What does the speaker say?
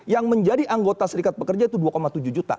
yang menjadi anggota serikat pekerja itu dua tujuh juta